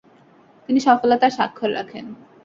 তিনি সফলতার স্বাক্ষর রাখেন।